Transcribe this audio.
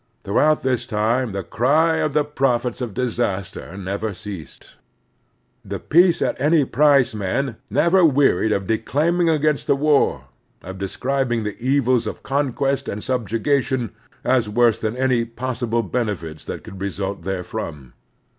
Throughout this time the cry of the prophets of disaster never ceased. The peace at any price men never wearied of declaiming against the war, of describing the evils of conquest and subjuga tion as worse than any possible benefits that could result therefrom.